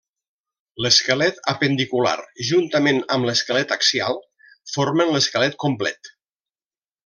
L'esquelet apendicular juntament amb l'esquelet axial formen l'esquelet complet.